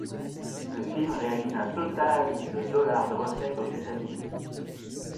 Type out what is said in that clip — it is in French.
Le film réalise un total de Dollars de recettes aux États-Unis.